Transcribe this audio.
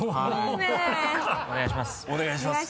お願いします。